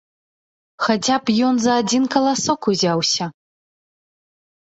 Хаця б ён за адзін каласок узяўся.